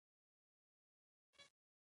ملک صاحب د دوو قومونو شل کلنه بدي ختمه کړه.